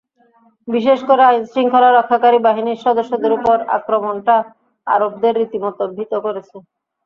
বিশেষ করে আইনশৃঙ্খলা রক্ষাকারী বাহিনীর সদস্যদের ওপর আক্রমণটা আরবদের রীতিমতো ভীত করেছে।